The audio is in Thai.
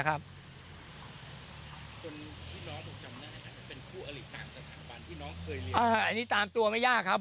อันนี้ตามตัวไม่ยากครับ